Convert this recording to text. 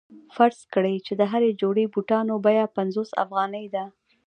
فرض کړئ چې د هرې جوړې بوټانو بیه پنځوس افغانۍ ده